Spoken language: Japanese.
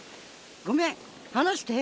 ごめんはなして。